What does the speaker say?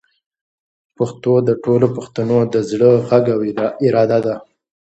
پښتو د ټولو پښتنو د زړه غږ او اراده ده.